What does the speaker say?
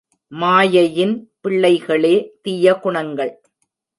மாயையின் பிள்ளைகளே தீய குணங்கள்.